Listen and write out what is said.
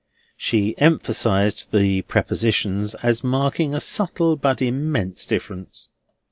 She emphasised the prepositions as marking a subtle but immense difference.